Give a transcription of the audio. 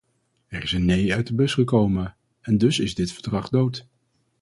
Er is een nee uit de bus gekomen, en dus is dit verdrag dood.